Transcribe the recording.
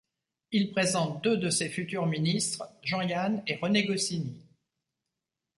Il présente deux de ses futurs ministres, Jean Yanne et René Goscinny.